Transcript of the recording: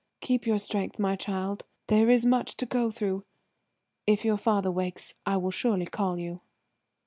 "Keep your strength, my child, there is much to go through. If your father wakes I will surely call you."